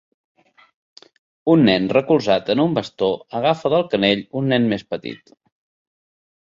Un nen recolzat en un bastó agafa del canell un nen més petit.